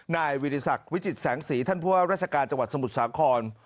นายวิทยาศักดิ์วิจิตแสงสีท่านผู้ว่าราชการจังหวัดสมุทรสาคร